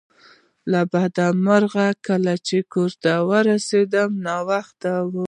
له بده مرغه کله چې کور ته ورسیدل ناوخته و